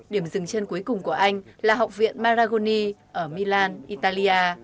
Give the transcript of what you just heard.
điểm dừng chân cuối cùng của anh là học viện maragoni ở milan italia